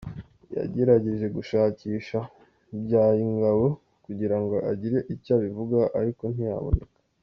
yagerageje gushakisha Mbyayingabo kugira ngo agire icyo abivugaho ariko ntiyaboneka.